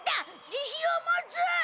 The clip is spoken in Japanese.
自信を持つ！